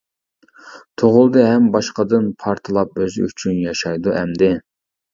تۇغۇلدى ھەم باشقىدىن پارتلاپ، ئۆزى ئۈچۈن ياشايدۇ ئەمدى.